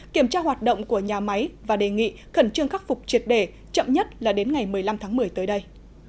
kiểm tra hoạt động của nhà máy và đề nghị khẩn trương khắc phục triệt đề chậm nhất là đến ngày một mươi năm tháng một mươi tới đây